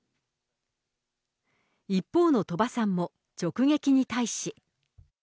一方の鳥羽さんも、直撃に対し。